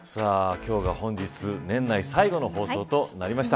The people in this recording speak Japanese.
今日が本日、年内最後の放送となりました。